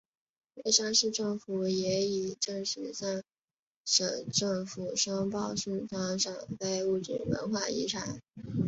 乐山市政府也已正式向省政府申报四川省非物质文化遗产。